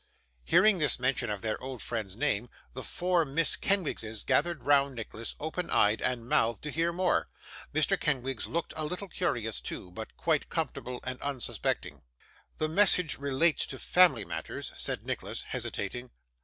Hearing this mention of their old friend's name, the four Miss Kenwigses gathered round Nicholas, open eyed and mouthed, to hear more. Mr. Kenwigs looked a little curious too, but quite comfortable and unsuspecting. 'The message relates to family matters,' said Nicholas, hesitating.